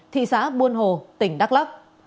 thị xã buôn hồ tỉnh đắk lắk